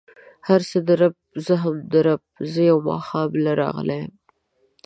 هر څه د رب، زه هم د رب، زه يو ماښام له راغلی يم.